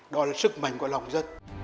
đó là sức mạnh của lòng dân